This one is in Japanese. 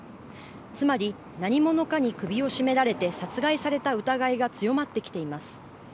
つまり何者かに首を絞められて殺害された疑いが強まってきています。